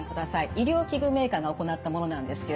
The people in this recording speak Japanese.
医療器具メーカーが行ったものなんですけれども。